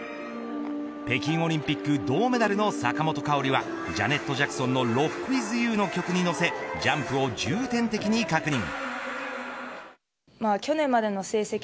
北京オリンピック銅メダルの坂本花織はジャネット・ジャクソンのＲｏｃｋＷｉｔｈＵの曲に乗せジャンプを重点的に確認。